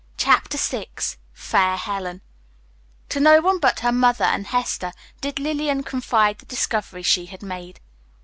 Chapter VI FAIR HELEN To no one but her mother and Hester did Lillian confide the discovery she had made.